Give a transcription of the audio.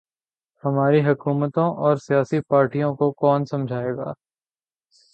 ہماری حکومتوں اور سیاسی پارٹیوں کو کون سمجھائے گا۔